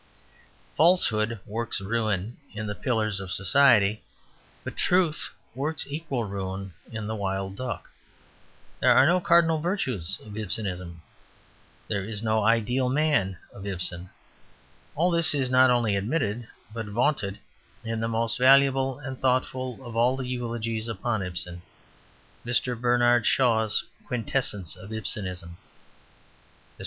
Falsehood works ruin in THE PILLARS OF SOCIETY, but truth works equal ruin in THE WILD DUCK. There are no cardinal virtues of Ibsenism. There is no ideal man of Ibsen. All this is not only admitted, but vaunted in the most valuable and thoughtful of all the eulogies upon Ibsen, Mr. Bernard Shaw's QUINTESSENCE OF IBSENISM. Mr.